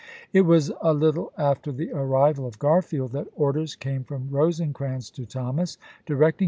It was a little after the arrival of Garfield that Thomas. orders came from Eosecrans to Thomas, directing ibidTp.